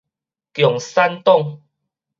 共產黨